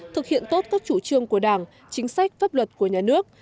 thực hiện tốt các chủ trương của đảng chính sách pháp luật của nhà nước